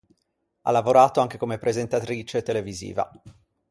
Ha lavorato anche come presentatrice televisiva.